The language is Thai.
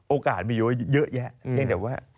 โอกาสมีเยอะแยะ